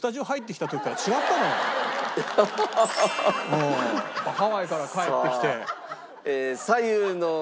うんハワイから帰ってきて。